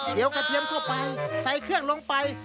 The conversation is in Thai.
เดี๋ยวกระเทียมเข้าไปใส่เครื่องลงไป